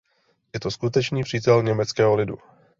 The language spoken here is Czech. Je to skutečný přítel německého lidu.